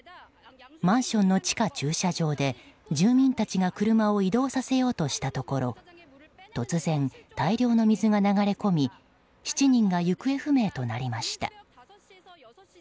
マンションの地下駐車場で住民たちが車を移動させようとしたところ突然、大量の水が流れ込み７人が行方不明となりました。